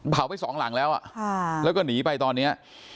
เผาไปสองหลังแล้วแล้วก็หนีไปตอนนี้